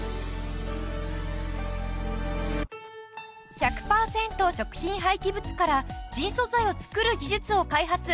１００パーセント食品廃棄物から新素材を作る技術を開発。